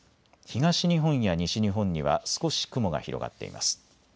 東日本や西日本には少し雲が広がっています。